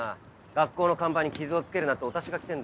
学校の看板に傷を付けるなってお達しが来てんだよ。